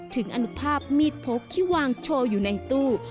อนุภาพมีดพกที่วางโชว์อยู่ในตู้